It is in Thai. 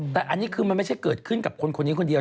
แต่อันนี้คือมันไม่ใช่เกิดขึ้นกับคนคนนี้คนเดียว